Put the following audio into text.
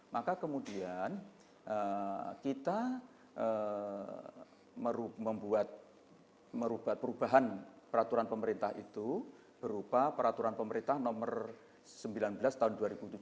maka kemudian kita membuat perubahan peraturan pemerintah itu berupa peraturan pemerintah nomor sembilan belas tahun dua ribu tujuh belas